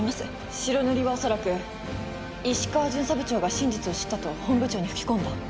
白塗りは恐らく石川巡査部長が真実を知ったと本部長に吹き込んだ。